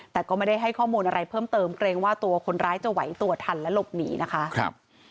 แต่ก็ไม่ได้ให้ข้อมูลอะไรเพิ่มเติมเกรงว่าตัวคนร้ายจะไหวตัวทันและหลบหนีนะคะ